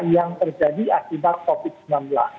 yang terjadi akibat covid sembilan belas